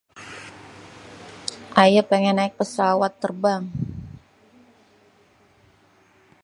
ayè pengen naèk pesawat terbang..